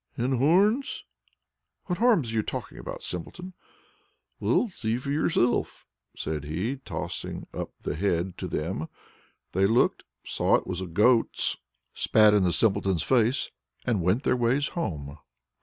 "And horns?" "What horns are you talking about, Simpleton?" "Well, see for yourselves," said he, tossing up the head to them. They looked, saw it was a goat's, spat in the Simpleton's face, and went their ways home.